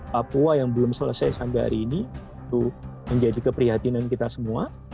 papua yang belum selesai sampai hari ini itu menjadi keprihatinan kita semua